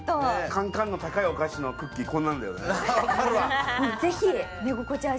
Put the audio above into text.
缶々の高いお菓子のクッキーこんなんだよね。